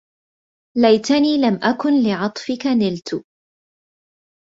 ليتني لم أكن لعطفك نلت